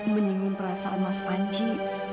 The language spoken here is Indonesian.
menyinggung perasaan mas panci